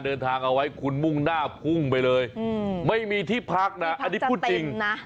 เดินทางเอาไว้คุณมุ่งหน้าพุ่งไปเลยไม่มีที่พักนะอันนี้พูดจริงนะ